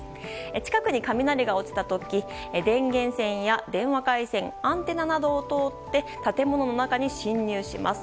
近くに雷が落ちた時電源線やインターネット回線アンテナなどを通って建物の中に侵入します。